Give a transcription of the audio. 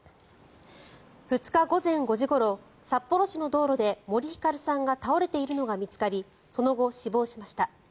２日午前５時ごろ札幌市の道路で森ひかるさんが倒れているのが見つかりその後、死亡しました。